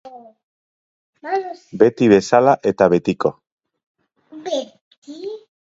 Beti bezala eta betiko.